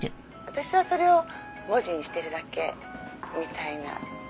「私はそれを文字にしてるだけみたいな」